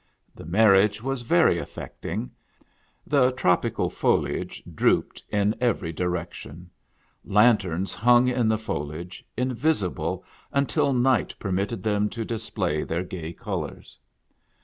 The marriage was very affecting. The tropical foliage drooped in every direction. Lanterns hung in the foliage, invisible until night permitted them to display their gay colors.